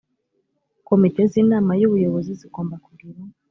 komite z inama y ubuyobozi zigomba kugira